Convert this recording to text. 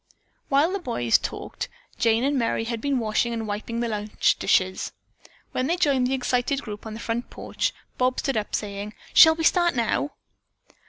While the boys talked Jane and Merry had been washing and wiping the lunch dishes. When they joined the excited group on the front porch, Bob stood up, saying, "Shall we start now?"